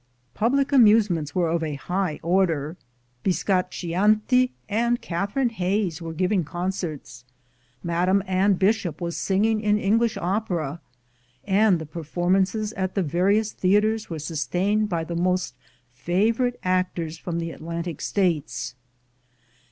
Public amusements were of a high order. Bis THE RESOURCEFUL AMERICANS 357 caccianti and Catherine Hayes were giving concerts, Madame Anne Bishop was singing in English opera, and the performances at the various theaters were sustained by the most favorite actors from the Atlantic States.